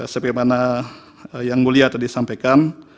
sebagaimana yang mulia tadi sampaikan